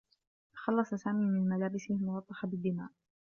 تخلّص سامي من ملابسه الملطّخة بالدّماء.